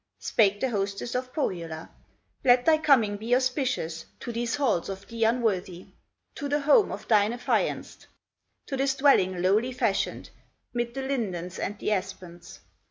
Spake the hostess of Pohyola: "Let thy coming be auspicious To these halls of thee unworthy, To the home of thine affianced, To this dwelling lowly fashioned, Mid the lindens and the aspens.